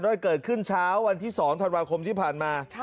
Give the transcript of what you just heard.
เกิดขึ้นเช้าวันที่๒ธันวาคมที่ผ่านมา